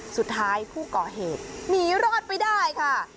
สุดท้ายผู้ก่อเหตุหนีรอดไปได้ค่ะ